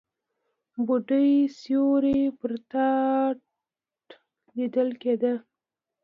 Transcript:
بوډۍ سيوری پر تاټ ليدل کېده.